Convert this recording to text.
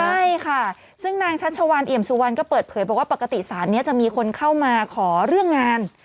ใช่ค่ะซึ่งนางชัชวานเอี่ยมสุวรรณก็เปิดเผยบอกว่าปกติศาลนี้จะมีคนเข้ามาขอเรื่องงาน